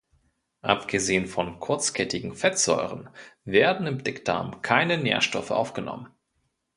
Abgesehen von kurzkettigen Fettsäuren werden im Dickdarm keine Nährstoffe aufgenommen.